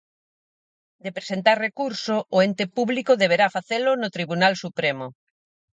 De presentar recurso, o ente público deberá facelo no Tribunal Supremo.